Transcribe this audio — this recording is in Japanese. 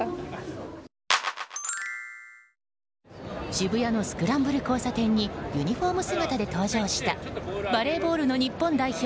渋谷のスクランブル交差点にユニホーム姿で登場したバレーボールの日本代表